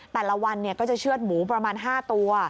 แต่ละวันก็จะเชื่อดหมูประมาณ๕ตัว